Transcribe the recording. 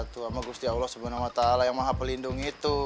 tuhan ma'a gusti allah subhanahu wa ta'ala yang maha pelindung itu